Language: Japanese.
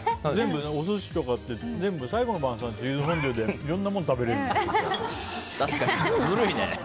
お寿司とか最後の晩餐、チーズフォンデュでいろんなもの食べれる。